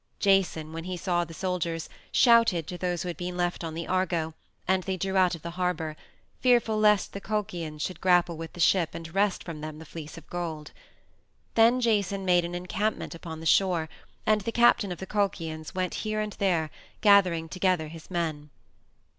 Jason, when he saw the soldiers, shouted to those who had been left on the Argo, and they drew out of the harbor, fearful lest the Colchians should grapple with the ship and wrest from them the Fleece of Gold. Then Jason made an encampment upon the shore, and the captain of the Colchians went here and there, gathering together his men.